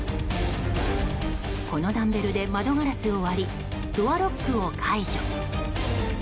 このダンベルで窓ガラスを割りドアロックを解除。